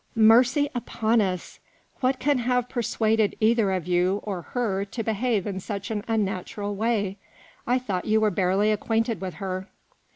" Mercy upon us ! What can have persuaded either you or her to behave in such an unnatural way ? I thought you were barely acquainted with her."